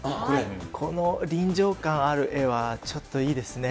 この臨場感ある絵はちょっといいですね。